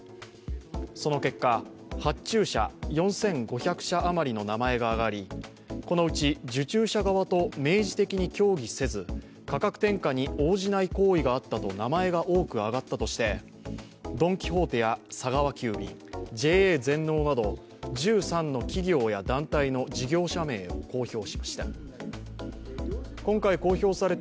その結果、発注者４５００社余りの名前が挙がりこのうち受注者側と明示的に協議せず価格転嫁に応じない行為があったと名前が多く挙がったとしてドン・キホー、テや佐川急便ＪＡ全農など１３の企業や団体の事業者名を公表しました。